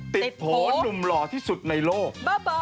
ติดโห้หนุ่มหล่อที่สุดในโลก